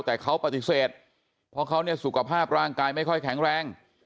แต่เขาปฏิเสธเพราะเขาเนี่ยสุขภาพร่างกายไม่ค่อยแข็งแรง